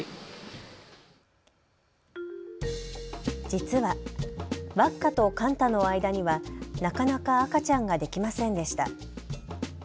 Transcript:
実はワッカとカンタの間にはなかなか赤ちゃんができませんでした。